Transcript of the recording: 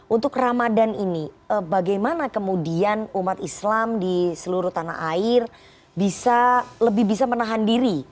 untuk ramadan ini bagaimana kemudian umat islam di seluruh tanah air bisa lebih bisa menahan diri